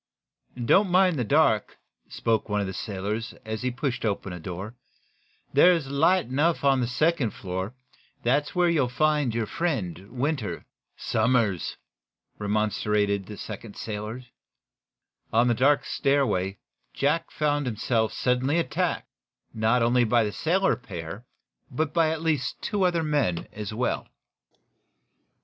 "Don't mind the dark," spoke one of the sailors, as he pushed open a door. "There's light enough on the second floor. That's where you'll find your friend, Winter." "Somers," remonstrated the second sailor. On the dark stairway Jack Benson found himself suddenly attacked, not only by the sailor pair, but by at least two other men, as well.